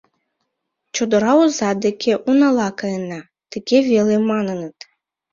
«Чодыра оза деке унала каена», — тыге веле маныныт.